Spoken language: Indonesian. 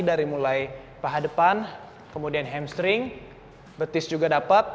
dari mulai paha depan kemudian hamstring betis juga dapat